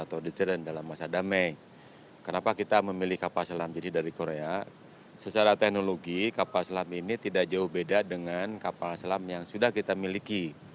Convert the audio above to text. jadi kita harus memiliki kapal selam yang berbeda dengan kapal selam yang sudah kita miliki